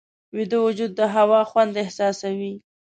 ویده وجود د هوا خوند احساسوي